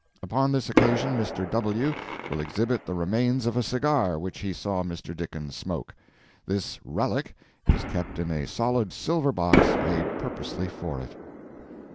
Upon this occasion Mr. W. will exhibit the remains of a cigar which he saw Mr. Dickens smoke. This Relic is kept in a solid silver box made purposely for it.